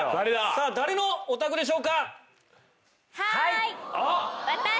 さあ誰のお宅でしょうか？